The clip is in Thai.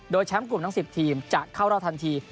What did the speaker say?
โดยแชมป์กลุ่มทั้ง๑๐ทีมจะเข้ารอบทันที